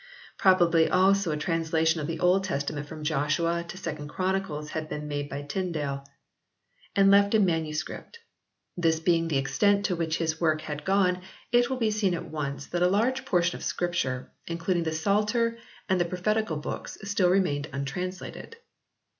Probably also a transla tion of the Old Testament from Joshua to Second Chronicles had been made by Tyndale and left in 64 HISTORY OF THE ENGLISH BIBLE [CH. manuscript. This being the extent to which his work had gone it will be seen at once that a large portion of Scripture, including the Psalter and the Propheti cal Books, still remained untranslated.